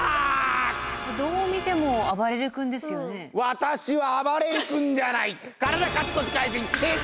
私はあばれる君ではない。